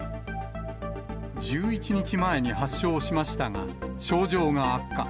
１１日前に発症しましたが、症状が悪化。